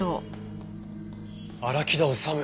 荒木田修！